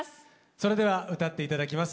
それでは歌って頂きます。